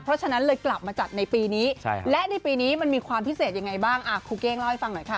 เพราะฉะนั้นเลยกลับมาจัดในปีนี้และในปีนี้มันมีความพิเศษอย่างไรบ้าง